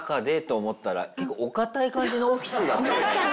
確かに。